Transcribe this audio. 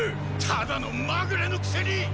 ただのまぐれのくせに！